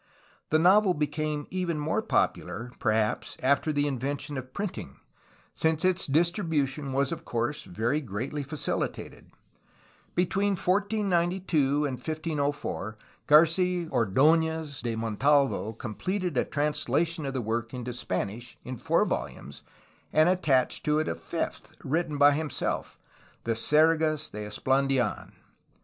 The novel became even more popular, perhaps, after the inven tion of printing, since its distribution was of course very greatly facilitated. Between 1492 and 1504 Garcl Ord6nez de Montalvo completed a translation of the work into Span ish in four volumes, and attached to it a fifth, written by himself, the Sergas de Esplandidn.